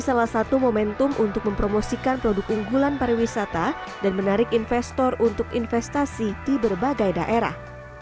salah satu momentum untuk mempromosikan produk unggulan pariwisata dan menarik investor untuk investasi di berbagai daerah